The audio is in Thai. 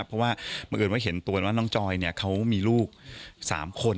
เพราะว่าเมื่อใจเห็นตัวว่าน้องจอยเขามีลูก๓คน